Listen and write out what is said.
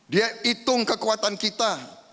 dia hitung kekuatan kita